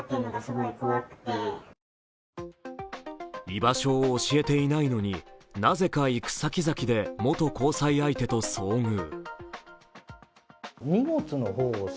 居場所を教えていないのになぜか行く先々で元交際相手と遭遇。